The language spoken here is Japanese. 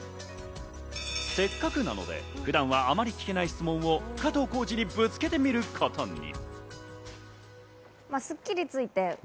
せっかくなので普段はあまり聞けない質問を加藤浩次にぶつけてみることに。